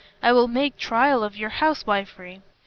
I will make trial of your housewifery."